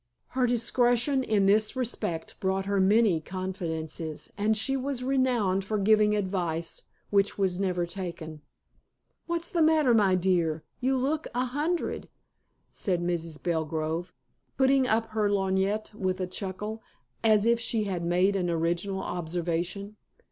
Her discretion in this respect brought her many confidences, and she was renowned for giving advice which was never taken. "What's the matter, my dear? You look a hundred," said Mrs. Belgrove, putting up her lorgnette with a chuckle, as if she had made an original observation.